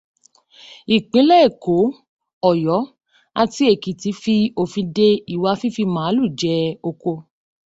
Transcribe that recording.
Ìpínlẹ̀ Èkó, Ọ̀yọ́, ati Èkìtì fi òfin de ìwà fífi màálù jẹ oko.